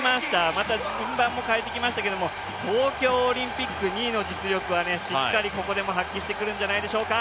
また、順番も変えてきましたけども東京オリンピック２位の実力はしっかりここでも発揮してくるんじゃないでしょうか。